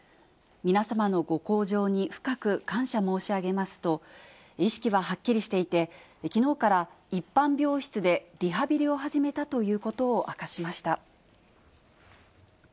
皆様のご厚情に深く感謝申し上げますと、意識ははっきりしていて、きのうから一般病室でリハビリを始めたということを明かしました。